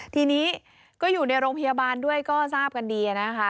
ทีนี้ก็อยู่ในโรงพยาบาลด้วยก็ทราบกันดีนะคะ